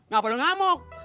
gak perlu ngamuk